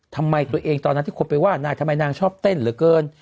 ทำไมตัวเองตอนนั้นที่คนไปว่านางทำไมนางชอบเต้นเหลือเกิน